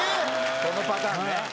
そのパターンね。